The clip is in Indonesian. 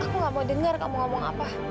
aku gak mau dengar kamu ngomong apa